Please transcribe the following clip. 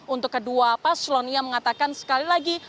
untuk kedua pas selonia mengatakan sekali lagi